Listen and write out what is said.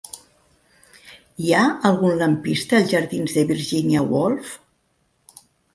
Hi ha algun lampista als jardins de Virginia Woolf?